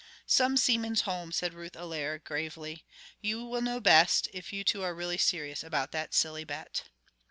"Some seamen's home," said Ruth Allaire gravely. "You will know best, if you two are really serious about that silly bet."